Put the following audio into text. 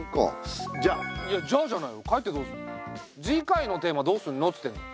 次回のテーマどうすんのっつってんの。